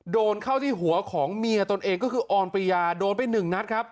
โดนเข้าที่หัวของเมียตนเองก็คือออนปริยาโดนไปหนึ่งนัดครับ